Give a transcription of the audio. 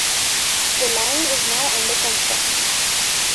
The line is now under construction.